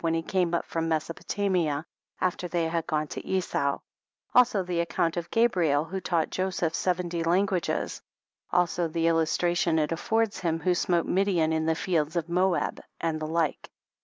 when he came from Mesopotamia after they had gone to Esau, also the account of Gabriel who taught Joseph seventy languages, also the illustration it affords of him| who smote Midian in the fields of Moab, and the like.